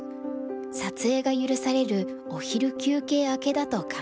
撮影が許されるお昼休憩明けだと勘違い。